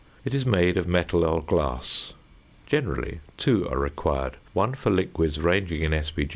It is made of metal or glass. Generally two are required, one for liquids ranging in sp.